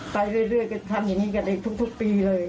ไปเรื่อยก็ทำอย่างนี้กันในทุกปีเลย